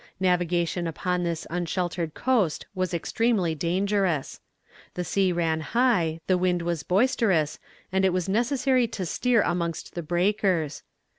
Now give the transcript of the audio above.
Navigation upon this unsheltered coast was extremely dangerous. The sea ran high, the wind was boisterous, and it was necessary to steer amongst the breakers.